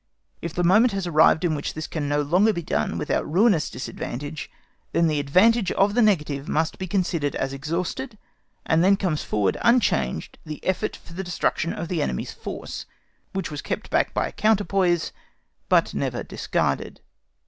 If the moment has arrived in which this can no longer be done without ruinous disadvantage, then the advantage of the negative must be considered as exhausted, and then comes forward unchanged the effort for the destruction of the enemy's force, which was kept back by a counterpoise, but never discarded.